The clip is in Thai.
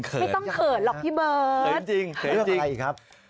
ไม่ต้องเขินหรอกพี่เบิร์ต